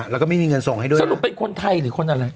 แล้วก็ไม่มีเงินส่งให้ด้วยสรุปเป็นคนไทยหรือคนอะไร